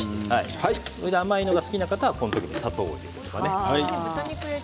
甘いのが好きな方は、この時に砂糖を入れてください。